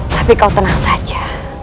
tapi kau tenang saja